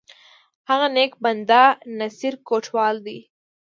هغه نیک بنده، نصیر کوټوال دی!